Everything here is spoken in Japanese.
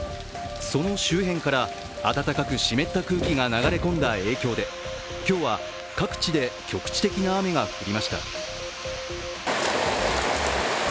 その周辺から暖かく湿った空気が入った影響で今日は各地で局地的な雨が降りました。